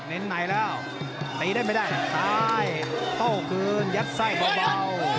เป็นไหนแล้วมีได้ไหมได้เท้าคืนยัดไส้เบา